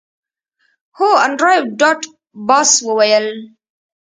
هو انډریو ډاټ باس وویل